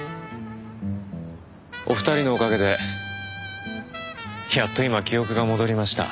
お二人のおかげでやっと今記憶が戻りました。